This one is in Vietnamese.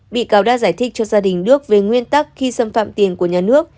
bị cáo đã giải thích cho gia đình đức về nguyên tắc khi xâm phạm tiền của nhà nước